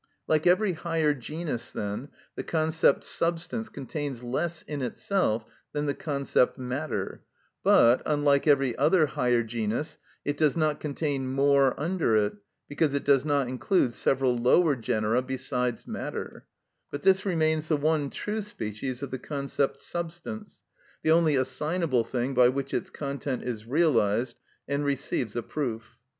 Like every higher genus, then, the concept substance contains less in itself than the concept matter, but, unlike every other higher genus, it does not contain more under it, because it does not include several lower genera besides matter; but this remains the one true species of the concept substance, the only assignable thing by which its content is realised and receives a proof.